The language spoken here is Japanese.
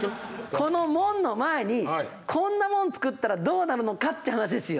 この門の前にこんなもん造ったらどうなるのかという話ですよ。